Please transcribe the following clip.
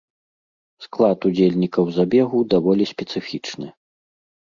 Склад удзельнікаў забегу даволі спецыфічны.